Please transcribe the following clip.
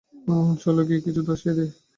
চলো গিয়ে কিছু ধসিয়ে দেই।